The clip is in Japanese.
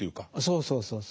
そうそうそうそう。